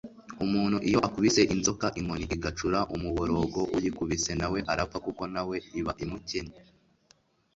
Umuntu iyo akubise inzoka inkoni igacura umuborogo, uyikubise nawe arapfa, kuko nawe iba imukenye,